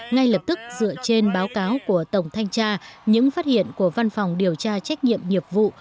ngay lập tức dựa trên báo cáo của tổng thanh tra những phát hiện của văn phòng điều tra trách nhiệm nghiệp vụ